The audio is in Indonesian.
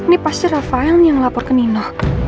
ini pasti rafael yang lapor ke nino